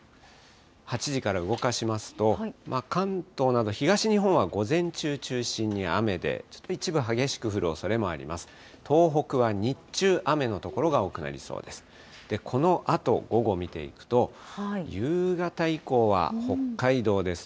８時から動かしますと、関東など東日本は午前中中心に雨で、ちょっと一部激しく降るおそれもあります。